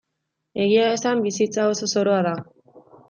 Egia esan, bizitza oso zoroa da.